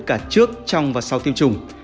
cả trước trong và sau tiêm chủng